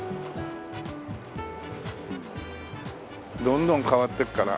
どんどん変わっていくから。